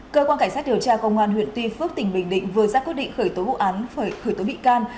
cơ quan cảnh sát điều tra công an huyện tuy phước tỉnh bình định vừa ra quyết định khởi tố vụ án khởi tố bị can